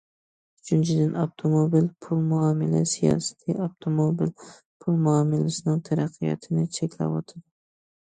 ئۈچىنچىدىن، ئاپتوموبىل پۇل مۇئامىلە سىياسىتى ئاپتوموبىل پۇل مۇئامىلىسىنىڭ تەرەققىياتىنى چەكلەۋاتىدۇ.